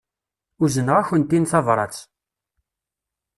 Uzneɣ-akent-in tabrat.